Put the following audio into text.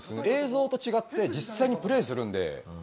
映像と違って実際にプレーするんで。